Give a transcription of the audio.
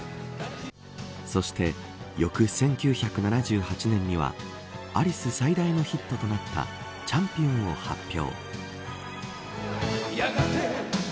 そして、翌１９７８年にはアリス最大のヒットとなったチャンピオンを発表。